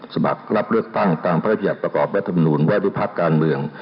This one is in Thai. สมัครรับเลือกตั้งตามพระพิจัดประกอบรัฐมนุนวัดิภักดิ์การเมือง